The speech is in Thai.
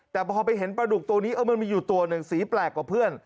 แต่พอไปเห็นปลาดุกตัวนี้มันมีอยู่ตัวหนึ่งสีแปลกกว่าเพื่อน